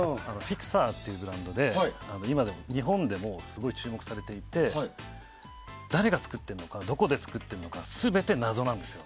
ＦＩＸＥＲというブランドで日本でも今すごい注目されていて誰が作っているのかどこで作っているのか全て謎なんですよ。